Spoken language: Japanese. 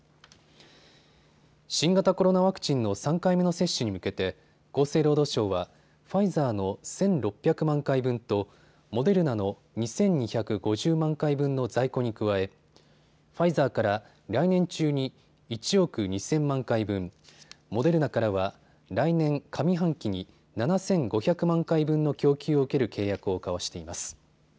新型コロナワクチンの３回目の接種に向けて厚生労働省はファイザーの１６００万回分とモデルナの２２５０万回分の在庫に加えファイザーから来年中に１億２０００万回分、モデルナからは来年上半期に７５００万回分の供給を受ける契約を交わしています。